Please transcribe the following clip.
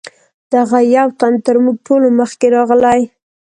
دغه یو تن تر موږ ټولو مخکې راغلی.